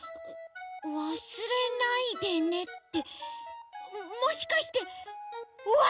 「わすれないでね」ってもしかしておわかれのことば！？